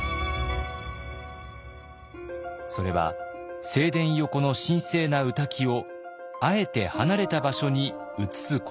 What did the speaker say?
それは正殿横の神聖な御嶽をあえて離れた場所に移すことでした。